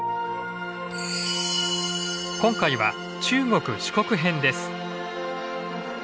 今回は中国四国編です。